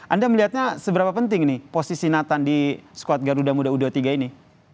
anda melihatnya seberapa penting nih posisi nathan di squad garuda muda u dua puluh tiga ini